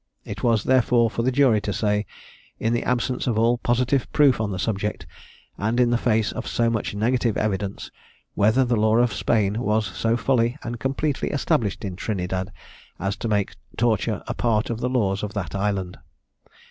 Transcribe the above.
It was, therefore, for the jury to say, in the absence of all positive proof on the subject, and in the face of so much negative evidence, whether the law of Spain was so fully and completely established in Trinidad as to make torture a part of the law of that island.